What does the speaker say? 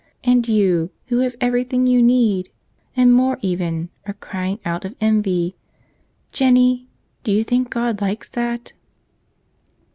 And you, who have everything you need, and more even, are crying out of envy. Jennie, do you think God likes that?"